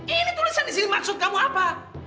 ini tulisan disini maksud kamu apa